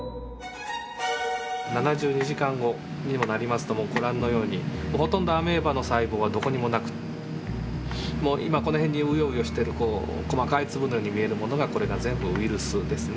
７２時間後にもなりますともうご覧のようにほとんどアメーバの細胞はどこにもなくて今この辺にうようよしている細かい粒のように見えるものがこれが全部ウイルスですね。